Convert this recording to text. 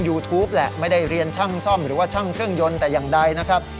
ยูทูปแหละไม่ได้เรียนช่างซ่อมหรือว่าช่างเครื่องยนต์แต่อย่างใดนะครับ